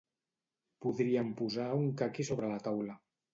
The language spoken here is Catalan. Podríem posar un caqui sobre la taula.